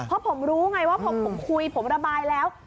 เพราะผมรู้ไงว่าพอผมคุยผมระบายแล้ว